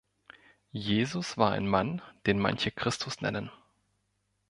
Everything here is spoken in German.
Jesus war ein Mann, den manche Christus nennen.